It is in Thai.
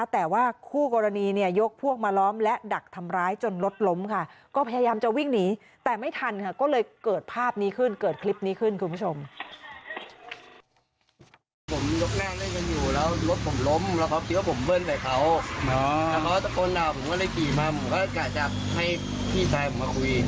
แต่ว่าคู่กรณีเนี่ยยกพวกมาล้อมและดักทำร้ายจนรถล้มค่ะก็พยายามจะวิ่งหนีแต่ไม่ทันค่ะก็เลยเกิดภาพนี้ขึ้นเกิดคลิปนี้ขึ้นคุณผู้ชม